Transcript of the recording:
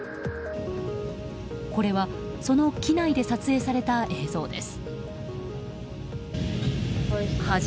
これはその機内で撮影された映像です。